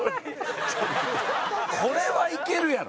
これは、いけるやろ。